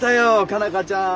佳奈花ちゃん。